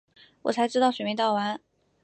我才知道水没倒完